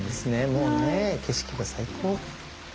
もうね景色が最高。